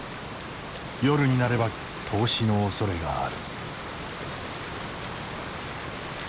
夜になれば凍死のおそれがある。